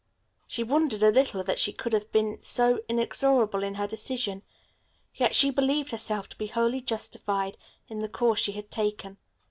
She wondered a little that she could have been so inexorable in her decision, yet she believed herself to be wholly justified in the course she had taken.